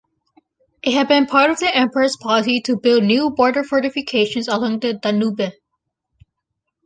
It had been part of the emperor's policy to build new border fortifications along the Danube.